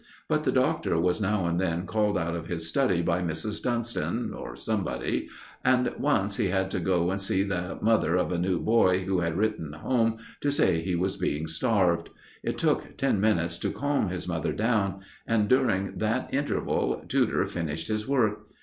But the Doctor was now and then called out of his study by Mrs. Dunston, or somebody; and once he had to go and see the mother of a new boy who had written home to say he was being starved. It took ten minutes to calm this mother down, and during that interval Tudor finished his work.